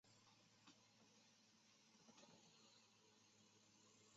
前缘的阀门有两个小皱褶。